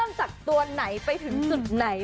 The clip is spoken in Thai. ต้องจัดตัวไหนไปถึงสุดไหน